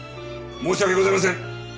申し訳ございません！